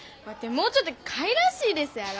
もうちょっとかいらしいですやろ。